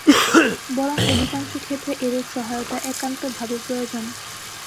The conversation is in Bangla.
বরং অধিকাংশ ক্ষেত্রে এরূপ সহায়তা একান্ত ভাবে প্রয়োজন।